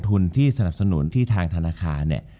จบการโรงแรมจบการโรงแรม